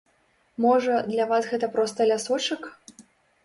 Можа, для вас гэта проста лясочак?